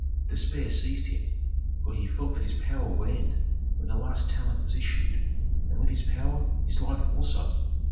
Despair seized him, for he felt that his power would end when the last talent was issued, and with his power his life also.